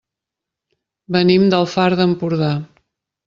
Venim del Far d'Empordà.